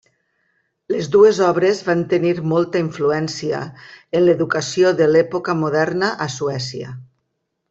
Les dues obres van tenir molta influència en l'educació de l'època moderna a Suècia.